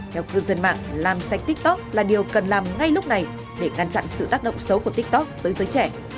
theo cư dân mạng làm sạch tiktok là điều cần làm ngay lúc này để ngăn chặn sự tác động xấu của tiktok tới giới trẻ